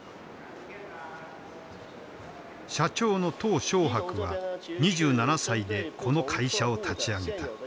社長の小白は２７歳でこの会社を立ち上げた。